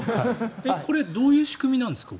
これはどういう仕組みなんですか？